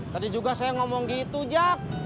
tadi juga saya ngomong gitu jak